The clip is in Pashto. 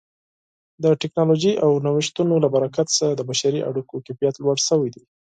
د ټکنالوژۍ د نوښتونو له برکت څخه د بشري اړیکو کیفیت لوړ شوی دی.